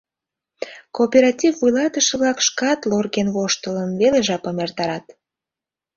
Кооператив вуйлатыше-влак шкат лорген-воштылын веле жапым эртарат.